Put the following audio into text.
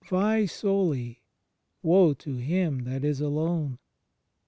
Vae solil Woe to him that is alone!